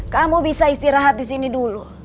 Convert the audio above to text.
kamu bisa istirahat disini dulu